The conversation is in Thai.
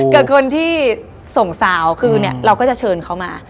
กับคนที่ส่งสาวคือเราก็จะเชิญเขามา